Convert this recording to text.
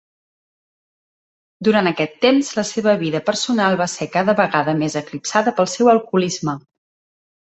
Durant aquest temps, la seva vida personal va ser cada vegada més eclipsada pel seu alcoholisme.